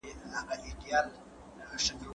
که خلګ وغواړي نو سياسي نظام ته بدلون ورکولای سي.